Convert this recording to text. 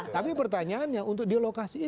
tapi pertanyaannya untuk di lokasi ini